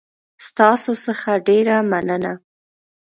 ستاسو څخه ډېره مننه